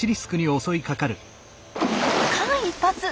間一髪！